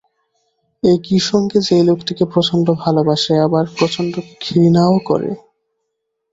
একই সঙ্গে সে লোকটিকে প্রচণ্ড ভালবাসে, আবার প্রচণ্ড ঘৃণাও করে।